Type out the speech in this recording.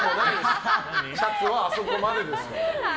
シャツはあそこまでですから。